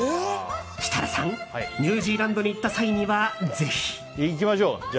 設楽さん、ニュージーランドに行った際にはぜひ。